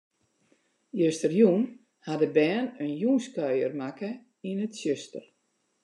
Justerjûn hawwe de bern in jûnskuier makke yn it tsjuster.